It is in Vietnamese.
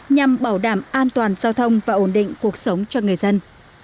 nhằm bảo đảm an toàn giao thông và ổn định cuộc sống cho người dân